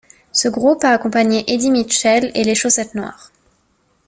Ce groupe a accompagné Eddy Mitchell et Les Chaussettes Noires.